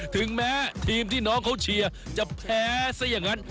ถึงแม้ทีมที่น้องเขาเชียร์จะแพ้ซะอย่างนั้น